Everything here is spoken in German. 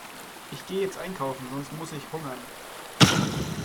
Ich gehe jetzt einkaufen, sonst muss ich hungern.